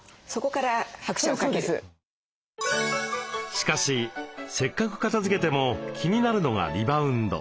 しかしせっかく片づけても気になるのがリバウンド。